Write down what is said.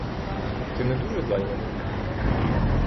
Ти не дуже зайнята?